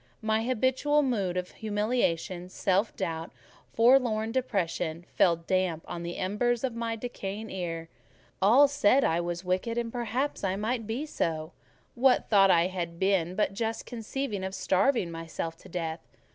My habitual mood of humiliation, self doubt, forlorn depression, fell damp on the embers of my decaying ire. All said I was wicked, and perhaps I might be so; what thought had I been but just conceiving of starving myself to death?